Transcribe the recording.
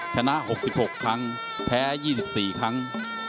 ชนะ๖๖ครั้งแพ้๒๔ครั้ง